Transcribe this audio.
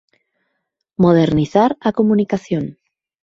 Modernizar a comunicación